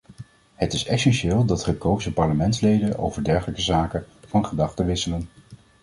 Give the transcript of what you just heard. Het is essentieel dat gekozen parlementsleden over dergelijke zaken van gedachten wisselen.